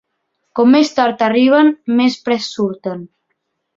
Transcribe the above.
Com més tard arriben, més prest surten.